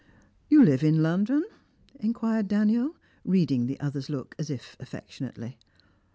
"You live in London?" inquired Daniel, reading the other's look as if affectionately.